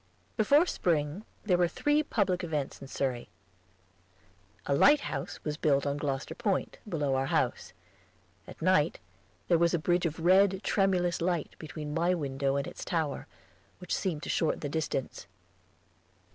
Before spring there were three public events in Surrey. A lighthouse was built on Gloster Point, below our house. At night there was a bridge of red, tremulous light between my window and its tower, which seemed to shorten the distance.